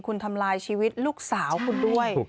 คุณทำลายชีวิตลูกสาวคุณด้วย